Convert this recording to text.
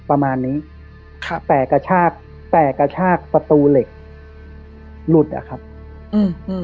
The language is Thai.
ประมาณนี้ครับแตกกระชากแต่กระชากประตูเหล็กหลุดอ่ะครับอืม